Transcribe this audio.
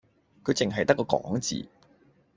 佢淨係得個講字